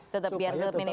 tetap biar minimal running